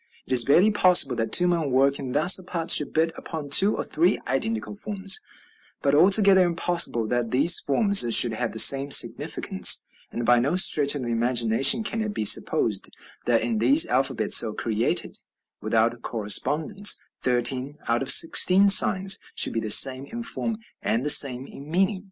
It is barely possible that two men working thus apart should hit upon two or three identical forms, but altogether impossible that these forms should have the same significance; and by no stretch of the imagination can it be supposed that in these alphabets so created, without correspondence, thirteen out of sixteen signs should be the same in form and the same in meaning.